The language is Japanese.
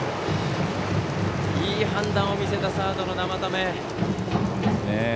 いい判断を見せたサードの生田目。